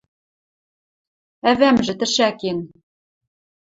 Ӓвӓмжӹ тӹшӓкен: